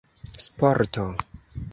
sporto